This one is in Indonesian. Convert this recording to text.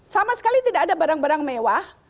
sama sekali tidak ada barang barang mewah